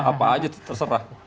apa aja terserah